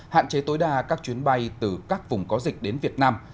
hạn chế tối đa các chuyến bay từ các vùng có dịch đến việt nam